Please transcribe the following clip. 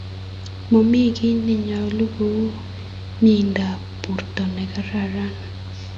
Momi kiy nenyalo kou mindap borto nekaararan